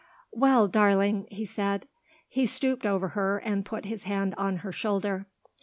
"Well, darling," he said. He stooped over her and put his hand on her shoulder.